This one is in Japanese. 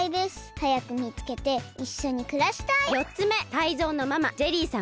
はやくみつけていっしょにくらしたい！